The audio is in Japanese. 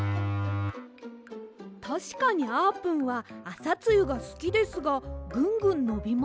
たしかにあーぷんはあさつゆがすきですがぐんぐんのびませんよ。